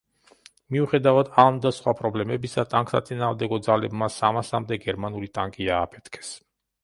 მიუხედავად ამ და სხვა პრობლემებისა ტანკსაწინააღმდეგო ძაღლებმა სამასამდე გერმანული ტანკი ააფეთქეს.